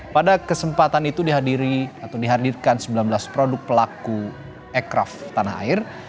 pada kesempatan itu dihadiri atau dihadirkan sembilan belas produk pelaku ekraf tanah air